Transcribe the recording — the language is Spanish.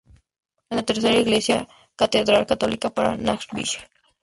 Es la tercera iglesia catedral católica para Nashville.